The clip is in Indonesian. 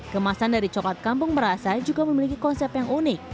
kemasan dari coklat kampung merasa juga memiliki konsep yang unik